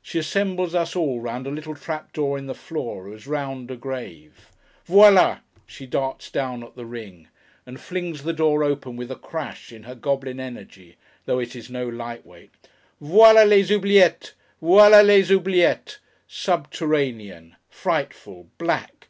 She assembles us all, round a little trap door in the floor, as round a grave. 'Voilà!' she darts down at the ring, and flings the door open with a crash, in her goblin energy, though it is no light weight. 'Voilà les oubliettes! Voilà les oubliettes! Subterranean! Frightful! Black!